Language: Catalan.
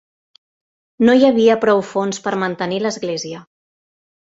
No hi havia prou fons per mantenir l'església.